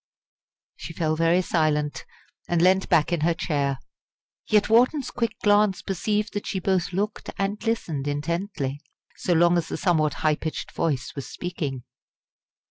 She fell very silent, and leant back in her chair. Yet Wharton's quick glance perceived that she both looked and listened intently, so long as the somewhat high pitched voice was speaking.